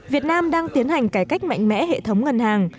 việt nam đang tiến hành cải cách mạnh mẽ hệ thống ngân hàng